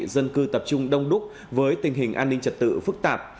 dân cư tập trung đông đúc với tình hình an ninh trật tự phức tạp